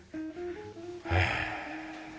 へえ。